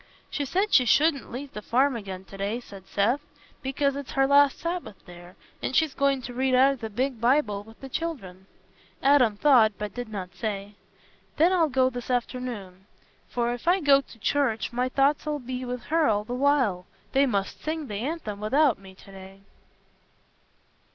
"She said she shouldn't leave the farm again to day," said Seth, "because it's her last Sabbath there, and she's going t' read out o' the big Bible wi' the children." Adam thought—but did not say—"Then I'll go this afternoon; for if I go to church, my thoughts 'ull be with her all the while. They must sing th' anthem without me to day."